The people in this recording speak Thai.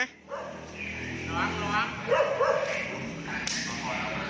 ระวัง